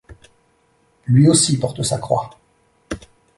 Lui aussi porte sa croix